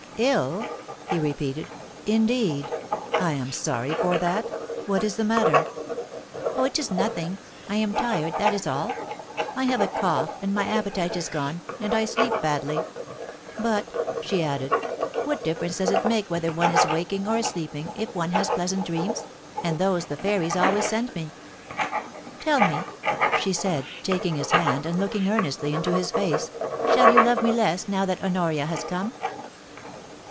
* 111 !' he repeated. * Indeed 1 I am sorry for that What is the matter?' * Oh, it is nothing. I am tired, that is all. I have a cough, and my appetite is gone, and I sleep badly. But,* she added, * what difference does it make whether one is waking or sleeping, if one has pleasant dreams, and those the fairies always send me. Tell me,' she said, taking his hand, and looking earnestly into his face, * shall you love me less now that Honoria has come